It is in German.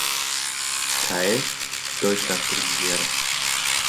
Teil Deutschlandpremiere.